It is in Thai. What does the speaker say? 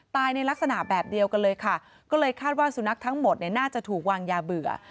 ในลักษณะแบบเดียวกันเลยค่ะก็เลยคาดว่าสุนัขทั้งหมดเนี่ยน่าจะถูกวางยาเบื่อ